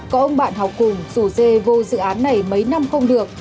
có ông bạn học cùng rủ dê vô dự án này mấy năm không được